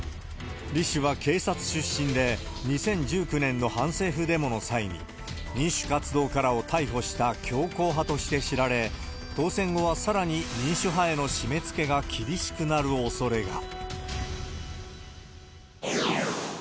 李氏は警察出身で、２０１９年の反政府デモの際に、民主活動家らを逮捕した強硬派として知られ、当選後はさらに民主派への締めつけが厳しくなるおそれが。